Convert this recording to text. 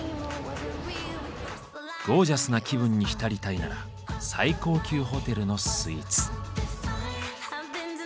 ゴージャスな気分に浸りたいなら最高級ホテルのスイーツ。